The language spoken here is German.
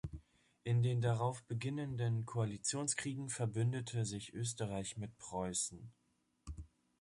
In den darauf beginnenden Koalitionskriegen verbündete sich Österreich mit Preußen.